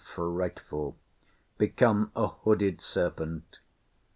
frightful! become a hooded serpent.